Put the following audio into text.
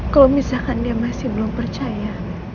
kalau misalkan dia masih belum percaya